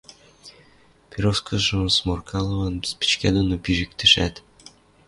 Пероскыжым Сморкаловын спичкӓ доно пижӹктӹшӓт: